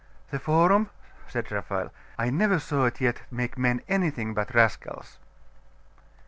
'The forum?' said Raphael. 'I never saw it yet make men anything but rascals.